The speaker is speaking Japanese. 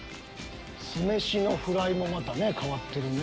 酢飯のフライもまた変わってるね。